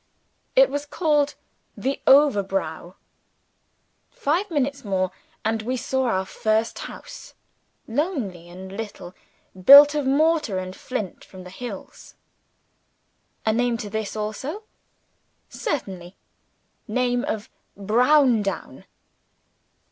It was called "The Overblow"! Five minutes more, and we saw our first house lonely and little built of mortar and flint from the hills. A name to this also? Certainly. Name of "Browndown."